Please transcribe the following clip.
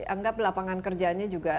anggap lapangan kerjanya